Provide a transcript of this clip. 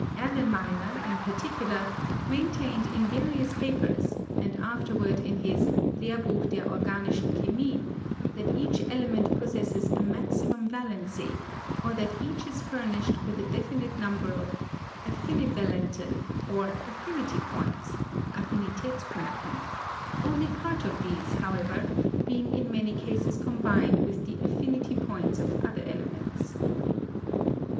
Erlenmeyer, in partic ular, maintained in various papers, and afterward in his "Lehrbuch der organischen Chemie," that each element possesses a maximum valency, or that each is furnished with a definite number of "Affinivalenten" or affinity points ("Affinitatspunkten"), only part of these, however, being in many cases combined with the affinity points of other elements.